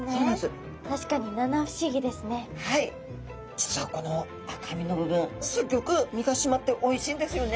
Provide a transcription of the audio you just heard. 実はこの赤身の部分すっギョく身が締まっておいしいんですよね。